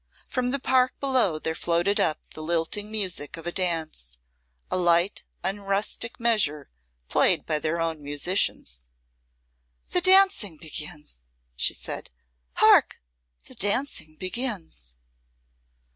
From the park below there floated up the lilting music of a dance, a light, unrustic measure played by their own musicians. "The dancing begins," she said. "Hark! the dancing begins."